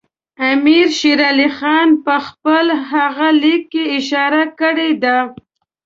امیر شېر علي خان په خپل هغه لیک کې اشاره کړې ده.